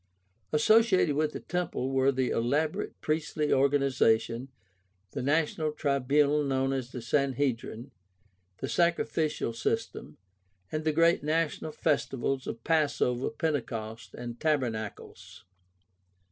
Associated with the Temple were the elaborate priestly organization, the national tribunal known as the Sanhedrin, the sacrificial system, and the great national festivals of Passover, Pentecost, and Tabernacles.